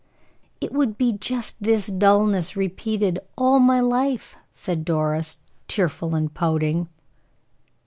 "It would be just this dullness repeated all my life," said Doris, tearful and pouting.